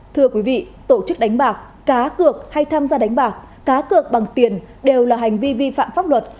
thưa quý vị tổ chức đánh bạc cá cược hay tham gia đánh bạc cá cược bằng tiền đều là hành vi vi phạm pháp luật